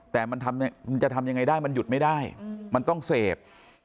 แต่มันจะทำยังไงได้มันหยุดไม่ได้มันต้องเสพ